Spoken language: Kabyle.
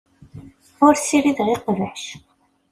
Ur ssirideɣ iqbac.